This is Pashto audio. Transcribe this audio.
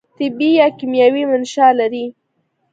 طبي یا کیمیاوي منشأ لري.